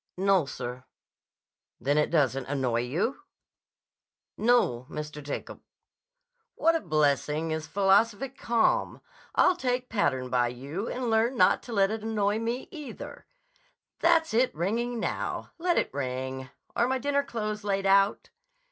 "No, sir." "Then it doesn't annoy you?" "No, Mr. Jacob—" "What a blessing is philosophic calm! I'll take pattern by you and learn not to let it annoy me, either. That's it ringing now. Let it ring. Are my dinner clothes laid out?"